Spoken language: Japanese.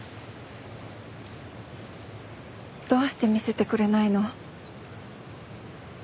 どうして見せてくれないの？